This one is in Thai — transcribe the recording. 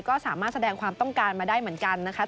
ก็สามารถแสดงความต้องการมาได้เหมือนกันนะคะ